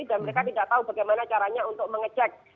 dan mereka tidak tahu bagaimana caranya untuk mengecek